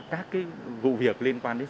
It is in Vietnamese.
các cái vụ việc liên quan đến